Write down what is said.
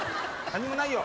何もないよ！